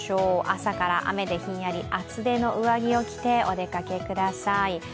朝から雨でヒンヤリ、厚手の上着を着てお出かけください。